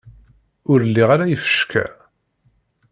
Ur liɣ ara ifecka.